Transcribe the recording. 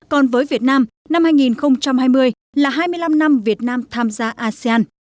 còn với việt nam năm hai nghìn hai mươi là hai mươi năm năm việt nam tham gia asean